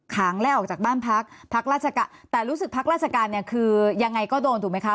งไล่ออกจากบ้านพักพักราชการแต่รู้สึกพักราชการเนี่ยคือยังไงก็โดนถูกไหมคะ